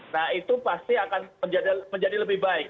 nah itu pasti akan menjadi lebih baik